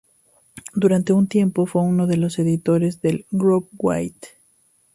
Durante un tiempo fue uno de los editores del grupo Waite.